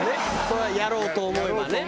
それはやろうと思えばね。